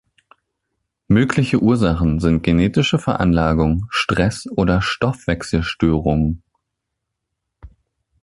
Mögliche Ursachen sind genetische Veranlagung, Stress oder Stoffwechselstörungen.